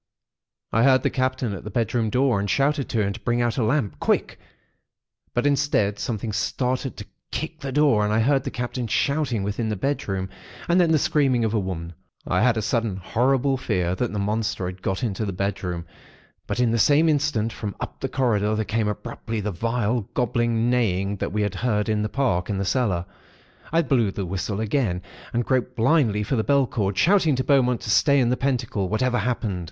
I heard the Captain at the bedroom door, and shouted to him to bring out a lamp, quick; but instead, something started to kick the door, and I heard the Captain shouting within the bedroom, and then the screaming of the women. I had a sudden horrible fear that the monster had got into the bedroom; but in the same instant, from up the corridor, there came abruptly the vile, gobbling neighing that we had heard in the park and the cellar. I blew the whistle again, and groped blindly for the bell cord, shouting to Beaumont to stay in the pentacle, whatever happened.